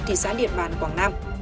thị xã điện bàn quảng nam